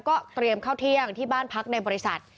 ก็เตรียมเข้าเที่ยงที่บ้านพักในบริษัท